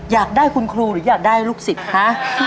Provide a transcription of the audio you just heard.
อยากได้คุณครูหรืออยากได้ลูกศิษย์ฮะ